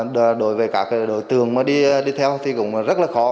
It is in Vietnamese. đối với các đối tượng mà đi theo thì cũng rất là khó